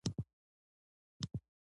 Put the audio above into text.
زه يو لوستی ځوان یم.